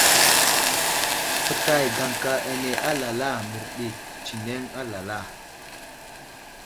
Fətay gaŋka ane alala mərdi tətsəneŋ alala.